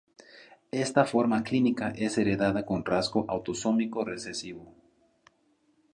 Esta forma clínica es heredada con rasgo autosómico recesivo.